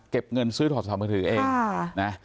เก็บเงินซื้อโทรศัพท์มือถือเอง